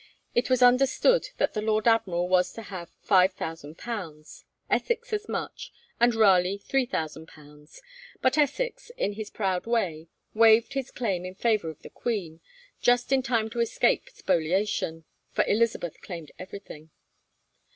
It was understood that the Lord Admiral was to have 5,000_l._, Essex as much, and Raleigh 3,000_l._; but Essex, in his proud way, waived his claim in favour of the Queen, just in time to escape spoliation, for Elizabeth claimed everything.